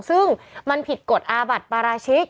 ซึ่งมันผิดกฎอาบัติปราชิก